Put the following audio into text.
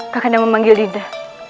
kakanda memanggil dinda